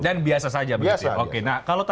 dan biasa saja begitu ya